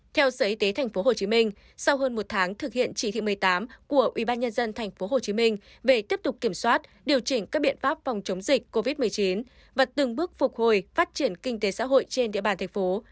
theo sở y tế tp hcm sau hơn một tháng thực hiện chỉ thị một mươi tám của ubnd tp hcm về tiếp tục kiểm soát điều chỉnh các biện pháp phòng chống dịch covid một mươi chín và từng bước phục hồi phát triển kinh tế xã hội trên địa bàn thành phố